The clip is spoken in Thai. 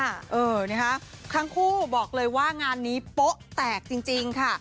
เออนะคะทั้งคู่บอกเลยว่างานนี้โป๊ะแตกจริงค่ะ